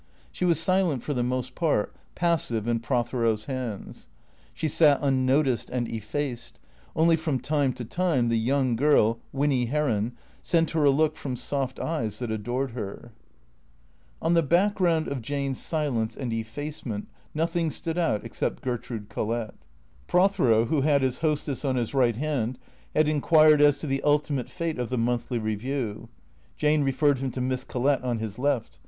She was silent for the most part, passive in Prothero's hands. She sat unnoticed and effaced; only from time to time the young girl, Winny Heron, sent her a look from soft eyes that adored her. THECEEATOES 409 On the background of Jane's silence and effacement nothing stood out except Gertrude Collett. Prothero, who had his hostess on his right hand, had inquired as to the ultimate fate of the " Monthly Eeview." Jane referred him to Miss Collett on his left.